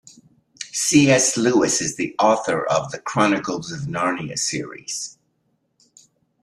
C.S. Lewis is the author of The Chronicles of Narnia series.